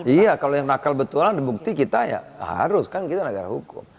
iya kalau yang nakal betulan bukti kita ya harus kan kita negara hukum